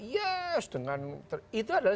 yes dengan itu adalah